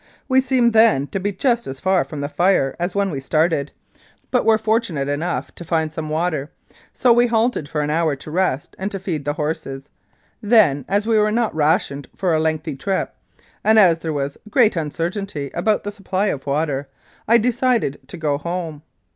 We seemed then to be just as far from the fire as when we started, but were fortunate 300 Some Early Reminiscences enough to find some water, so we halted for an hour to rest and to feed the horses; then, as we were not rationed for a lengthy trip, and as there was great un certainty about the supply of water, I decided to go home.